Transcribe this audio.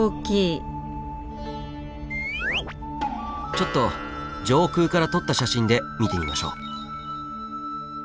ちょっと上空から撮った写真で見てみましょう。